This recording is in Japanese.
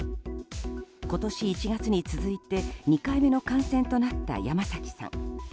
今年１月に続いて２回目の感染となった山崎さん。